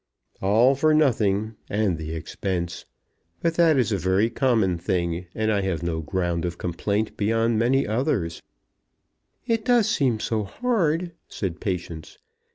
"All for nothing, and the expense. But that is a very common thing, and I have no ground of complaint beyond many others." "It does seem so hard," said Patience.